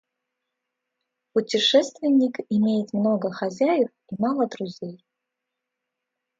Путешественник имеет много хозяев и мало друзей.